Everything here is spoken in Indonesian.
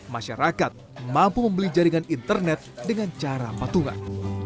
masyarakat mampu membeli jaringan internet dengan cara patungan